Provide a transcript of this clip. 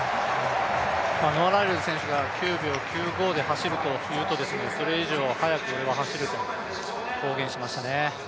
ノア・ライルズ選手が９秒９５で走ると言うと、それ以上速く俺は走ると公言しましたね。